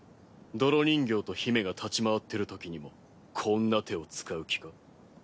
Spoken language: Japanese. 泥人形と姫が立ち回ってるときにもこんな手を使う気か？